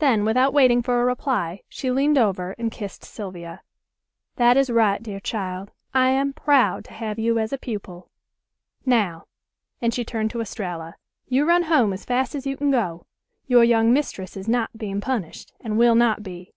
Then without waiting for a reply, she leaned over and kissed Sylvia. "That is right, dear child. I am proud to have you as a pupil. Now," and she turned to Estralla, "you run home as fast as you can go. Your young mistress is not being punished, and will not be.